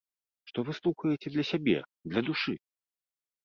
Што вы слухаеце для сябе, для душы?